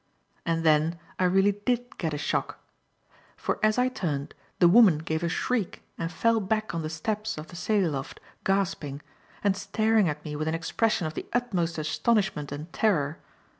And then I really did get a shock; for as I turned, the woman gave a shriek and fell back on the steps of the sail loft, gasping, and staring at me with an expression of the utmost astonishment and terror.